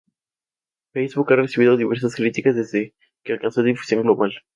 Facebook ha recibido diversidad de críticas desde que alcanzó difusión global.